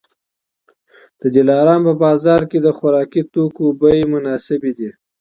د دلارام په بازار کي د خوراکي توکو بیې مناسبې دي